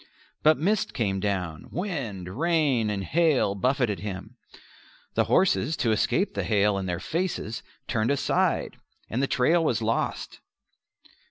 But mist came down; wind, rain, and hail buffeted him; the horses, to escape the hail in their faces, turned aside, and the trail was lost.